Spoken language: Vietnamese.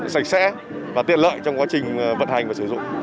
sạch sẽ và tiện lợi trong quá trình vận hành và sử dụng